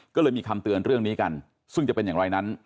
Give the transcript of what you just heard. ก็เลยมีคำเตือนเรื่องนี้กันซึ่งจะเป็นอย่างไรนั้น